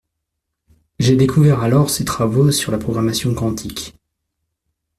J’ai découvert alors ses travaux sur la programmation quantique